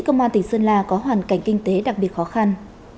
công an tỉnh sơn la có hoàn cảnh kinh tế đặc biệt khó khăn